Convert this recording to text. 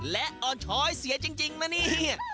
และอ่อนช้อยเสียจริงนะเนี่ย